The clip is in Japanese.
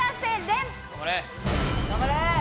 頑張れ！